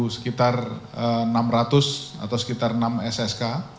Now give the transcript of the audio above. sekitar enam ratus atau sekitar enam ssk